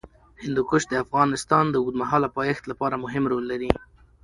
هندوکش د افغانستان د اوږدمهاله پایښت لپاره مهم رول لري.